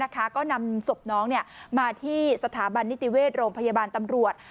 ก็นำศพน้องมาที่สถาบันนิติเวชโรงพยาบาลตำรวจ